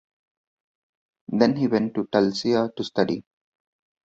Then he went to Tulcea to study.